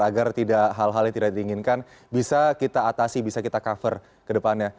agar hal hal yang tidak diinginkan bisa kita atasi bisa kita cover ke depannya